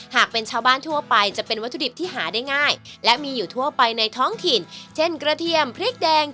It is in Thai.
หากเป็นชาวบ้านทั่วไปจะเป็นวัตถุดิบที่หาได้ง่ายและมีอยู่ทั่วไปในท้องถิ่นเช่นกระเทียมพริกแดง